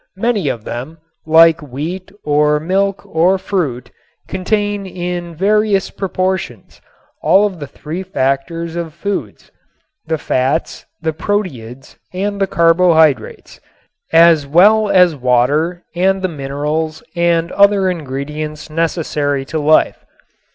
Many of them, like wheat or milk or fruit, contain in various proportions all of the three factors of foods, the fats, the proteids and the carbohydrates, as well as water and the minerals and other ingredients necessary to life.